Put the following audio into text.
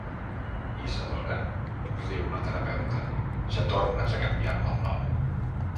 Isadora? —riu la terapeuta— Ja tornes a canviar-me el nom?